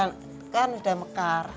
bisa kan udah mekar